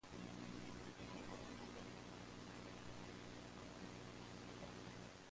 The theater is a member of the League of Resident Theatres.